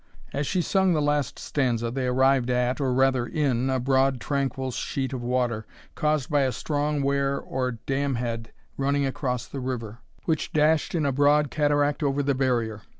As she sung the last stanza, they arrived at, or rather in, a broad tranquil sheet of water, caused by a strong wear or damhead, running across the river, which dashed in a broad cataract over the barrier.